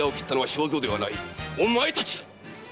お前たちだ！